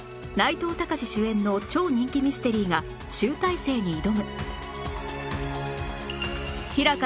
内藤剛志主演の超人気ミステリーが集大成に挑む